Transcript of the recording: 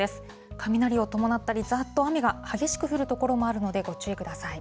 雷を伴ったり、ざーっと雨が激しく降る所もあるので、ご注意ください。